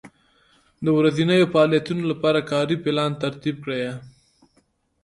د ورځنیو فعالیتونو لپاره کاري پلان ترتیب کړئ.